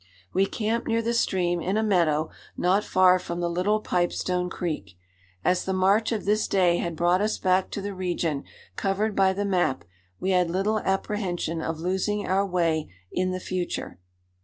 We camped near the stream in a meadow, not far from the Little Pipestone Creek. As the march of this day had brought us back to the region covered by the map, we had little apprehension of losing our way in the future.